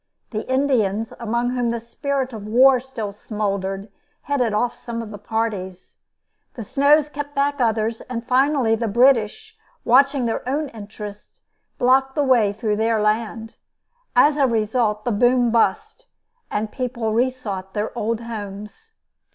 The Indians, among whom the spirit of war still smouldered, headed off some of the parties. The snows kept back others; and finally the British, watching their own interests, blocked the way through their land. As a result the boom burst, and people resought their old homes.